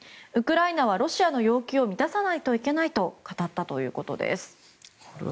ウクライナはロシアの要求を満たさないといけないと語ったということです。